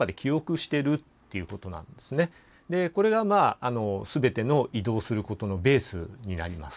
これが全ての移動することのベースになります。